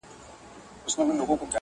د خپل ناموس له داستانونو سره لوبي کوي!!